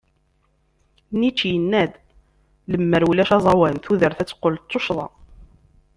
Nietzsche yenna-d: Lemmer ulac aẓawan, tudert ad teqqel d tuccḍa.